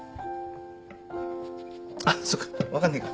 あっそうか分かんねえか。